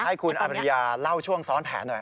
ให้คุณอริยาเล่าช่วงซ้อนแผนหน่อย